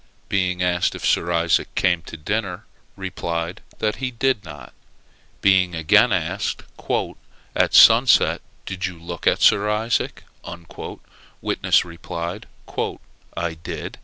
Being asked if Sir Isaac came to dinner, replied that he did not. Being again asked, "At sunset, did you look in on Sir Isaac?" Witness replied, "I did."